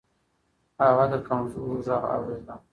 هغه د کمزورو غږ اورېده.